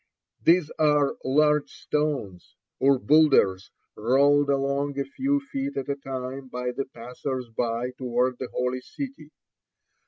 These are large stones, or boulders, rolled along a few feet at a time by the passers by toward the Holy City.